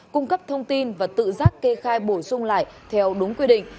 cung cấp thông tin và tự giác kê khai bổ sung lại theo đúng quy định